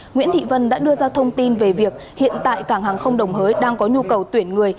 nguyễn thị vân đã đưa ra thông tin về việc hiện tại cảng hàng không đồng hới đang có nhu cầu tuyển người